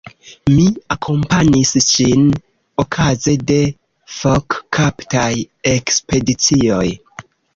Mi akompanis ŝin okaze de fokkaptaj ekspedicioj.